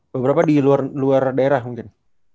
beberapa di luar daerah mungkin